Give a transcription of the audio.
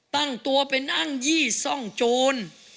ตั้งตัวเป็นอ้างยี่ซ่องโจร